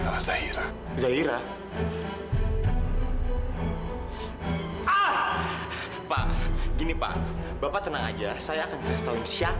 sampai jumpa di video selanjutnya